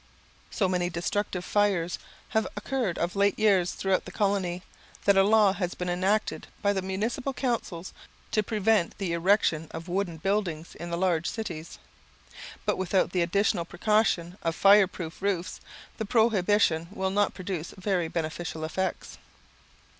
So many destructive fires have occurred of late years throughout the colony that a law has been enacted by the municipal councils to prevent the erection of wooden buildings in the large cities. But without the additional precaution of fire proof roofs, the prohibition will not produce very beneficial effects.